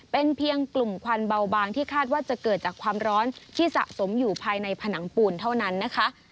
เป็นเพียงกลุ่มควันเบาบางที่คาดว่าจะเกิดจากความร้อนที่สะสมอยู่ภายในผนังปูนเท่านั้นนะคะ